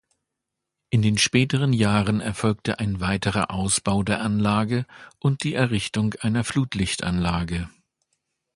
In späteren Jahren erfolgte ein weiterer Ausbau der Anlage und die Errichtung einer Flutlichtanlage.